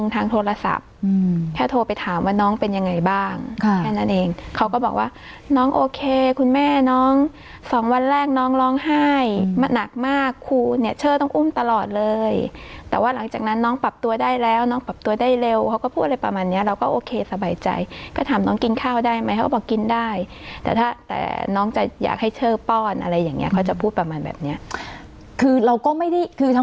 โทรศัพท์แพ้โทรไปถามว่าน้องเป็นยังไงบ้างแค่นั้นเองเขาก็บอกว่าน้องโอเคคุณแม่น้องสองวันแรกน้องร้องไห้มันหนักมากครูเนี่ยเชื่อต้องอุ้มตลอดเลยแต่ว่าหลังจากนั้นน้องปรับตัวได้แล้วน้องปรับตัวได้เร็วเขาก็พูดอะไรประมาณเนี้ยเราก็โอเคสบายใจก็ถามน้องกินข้าวได้ไหมเขาก็บอกกินได้แต่ถ้าน้องจะอยากให้เ